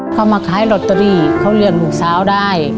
เขามาขายลอตเตอรี่เขาเลี้ยงลูกสาวได้